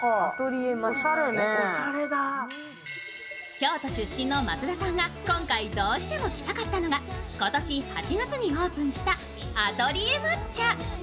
京都出身の松田さんが、今回どうしても来たかったのが今年８月にオープンしたＡＴＥＬＩＥＲＭＡＴＣＨＡ。